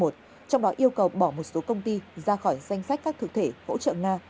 trong đó yêu cầu bỏ một số công ty ra khỏi danh sách các thực thể hỗ trợ nga